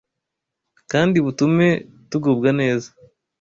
kandi butume tugubwa neza.